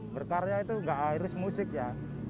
berkarya itu gak iris musik ya